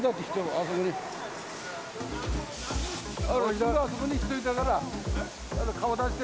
あそこに人いたから、顔出して。